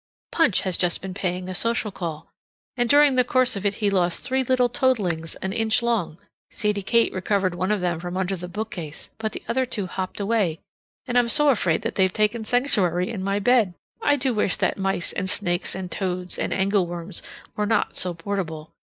Punch has just been paying a social call, and during the course of it he lost three little toadlings an inch long. Sadie Kate recovered one of them from under the bookcase, but the other two hopped away; and I'm so afraid they've taken sanctuary in my bed! I do wish that mice and snakes and toads and angleworms were not so portable.